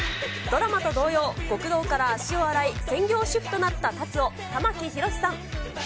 ドラマと同様、極道から足を洗い、専業主夫となった龍を玉木宏さん。